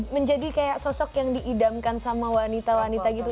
menjadi kayak sosok yang diidamkan sama wanita wanita gitu